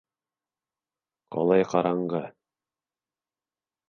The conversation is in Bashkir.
Ҡалай ҡараңғы.